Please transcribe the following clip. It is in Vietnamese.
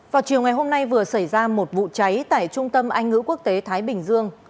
vào chiều ngày hôm nay vừa xảy ra một vụ cháy tại trung tâm anh ngữ quốc tế thái bình dương